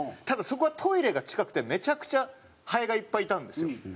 ただそこはトイレが近くてめちゃくちゃハエがいっぱいいたんですよ。